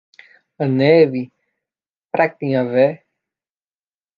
A neve, para quem a vê.